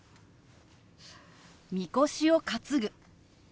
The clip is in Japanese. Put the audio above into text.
「みこしを担ぐ」。